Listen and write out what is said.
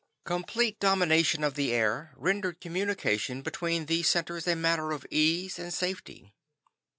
Complete domination of the air rendered communication between these centers a matter of ease and safety.